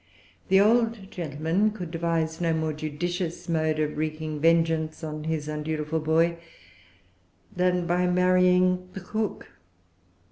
The old gentleman could devise no more judicious mode of wreaking vengeance on his undutiful boy than by marrying the cook.